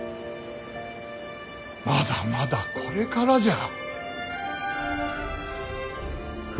まだまだこれからじゃ。